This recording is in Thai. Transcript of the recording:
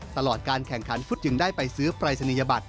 ตลอดการแข่งขันฟุตจึงได้ไปซื้อปรายศนียบัตร